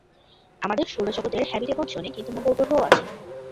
আমাদের সৌরজগৎ-এর হ্যাবিটেবল জোনে কিন্তু মঙ্গল গ্রহও আছে।